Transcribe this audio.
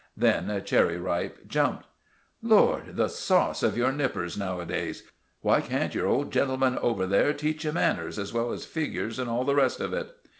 Then Cherry Ripe jumped. "Lord, the sauce of your nippers now a days! Why can't your old gentleman over there teach you manners as well as figures and all the rest of it?"